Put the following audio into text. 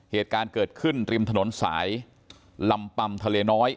เหตุการณ์เกิดขึ้นริมถนนสายลำปัมทะเลน้อย